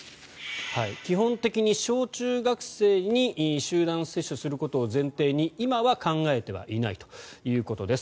基本的に小中学生に集団接種することを前提に今は考えてはいないということです。